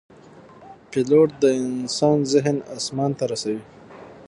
پیلوټ د انسان ذهن آسمان ته رسوي.